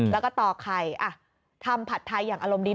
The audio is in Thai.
แล้วก็ต่อไข่ทำผัดไทยอย่างอารมณ์ดี